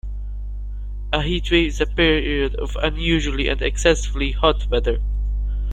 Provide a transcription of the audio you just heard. A heat wave is a period of unusually and excessively hot weather.